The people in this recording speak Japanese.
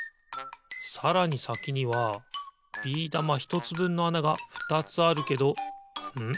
さらにさきにはビー玉ひとつぶんのあながふたつあるけどん？